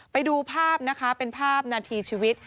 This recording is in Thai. ไปดูภาพนะคะเป็นภาพนาทีชีวิต